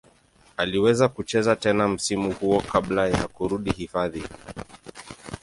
Aliweza kucheza tena msimu huo kabla ya kurudi hifadhi.